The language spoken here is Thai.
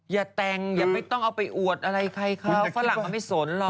อย่าแต่งอย่าไม่ต้องเอาไปอวดอะไรใครเขาฝรั่งมันไม่สนหรอก